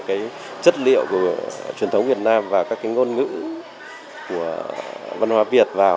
cái chất liệu của truyền thống việt nam và các cái ngôn ngữ của văn hóa việt vào